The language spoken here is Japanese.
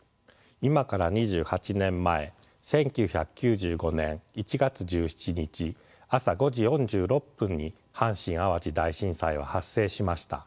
今から２８年前１９９５年１月１７日朝５時４６分に阪神・淡路大震災は発生しました。